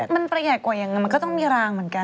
มันประหยัดกว่าอย่างนั้นมันก็ต้องมีรางเหมือนกัน